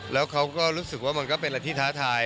แล้วเขาก็รู้สึกว่ามันก็เป็นอะไรที่ท้าทาย